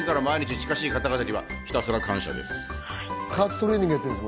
近しい方々にはひたすら感謝です。